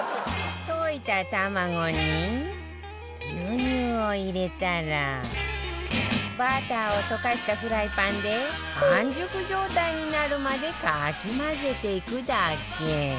溶いた卵に牛乳を入れたらバターを溶かしたフライパンで半熟状態になるまでかき混ぜていくだけ